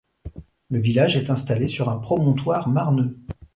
Le village est installé sur un promontoire marneux.